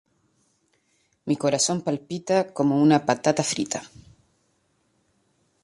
Mi corazón palpita como una patata frita